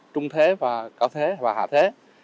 trung thế và cao thế và hạ thế